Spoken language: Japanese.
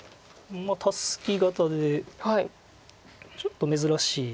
タスキ型でちょっと珍しいですか。